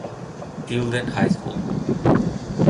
Tilden High School